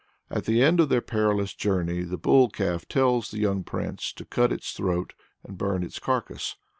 At the end of their perilous journey the bull calf tells the young prince to cut its throat, and burn its carcase.